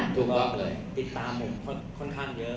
ติดตามผมค่อนข้างเยอะ